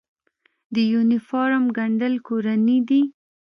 د یونیفورم ګنډل کورني دي؟